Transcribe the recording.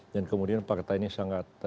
dan kemudian partai ini sangat